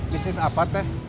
bisnis apa teh